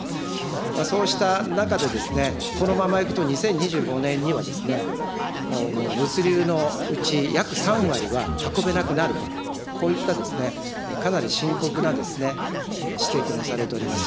そうした中で、このままいくと、２０２５年には、物流のうち約３割は運べなくなると、こういったかなり深刻な指摘もされております。